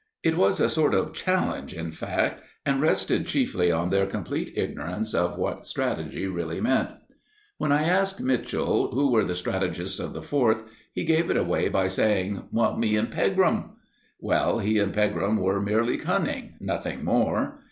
It was a sort of challenge, in fact, and rested chiefly on their complete ignorance of what strategy really meant. When I asked Mitchell who were the strategists of the Fourth, he gave it away by saying "Me and Pegram." Well, he and Pegram were merely cunning nothing more.